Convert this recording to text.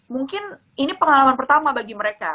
mungkin ini pengalaman pertama bagi mereka